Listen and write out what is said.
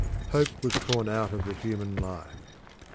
Hope was torn out of the human life.